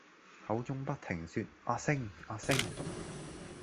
口中不停說「阿星」「阿星」！